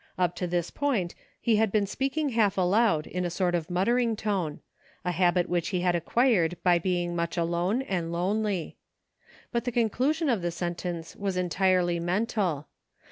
Up to this point he had been speaking half aloud, in a sort of muttering tone — a habit which he had acquired by being much alone and lonely. But the conclusion of the sentence was entirely mental.